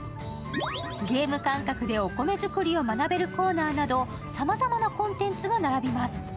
ゲーム感覚でお米作りを学べるコーナーなどさまざまなコンテンツが並びます。